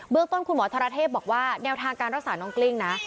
ต้นคุณหมอธรเทพบอกว่าแนวทางการรักษาน้องกลิ้งนะ